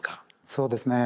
そうですね